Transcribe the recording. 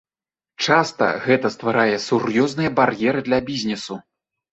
Часта гэта стварае сур'ёзныя бар'еры для бізнесу.